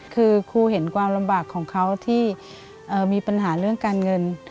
คือครูเห็นความลำบากของเขาที่มีปัญหาเรื่องการเงิน